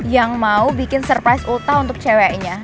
yang mau bikin surprise ulta untuk ceweknya